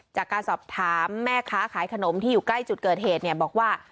จากการสอบถามแม่ค้าขายขนมที่อยู่ใกล้จุดเกิดเหตุเนี่ยบอกว่า